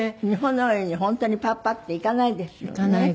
日本のように本当にパッパッていかないですよね。